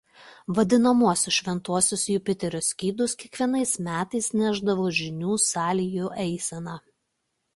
Vadinamuosius šventuosius Jupiterio skydus kiekvienais metais nešdavo žynių salijų eisena.